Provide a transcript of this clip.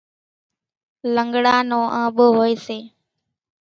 لنڳڙا نو آنٻو هوئيَ سي۔